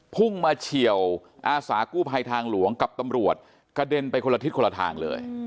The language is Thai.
พุ่งมาเฉียวอาสากู้ภัยทางหลวงกับตำรวจกระเด็นไปคนละทิศคนละทางเลย